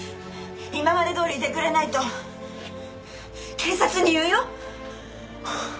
今までどおりでいてくれないと警察に言うよ！